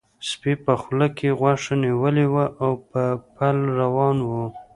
سپي په خوله کې غوښه نیولې وه او په پل روان و.